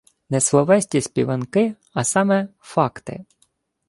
Не словесні співанки, а саме – факти